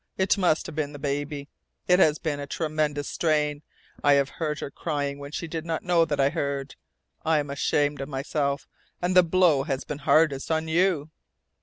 It must have been the baby. It has been a tremendous strain. I have heard her crying when she did not know that I heard. I am ashamed of myself. And the blow has been hardest on you!"